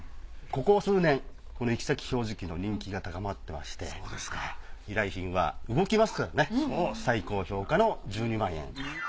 ここ数年この行先表示器の人気が高まってまして依頼品は動きますからね最高評価の１２万円。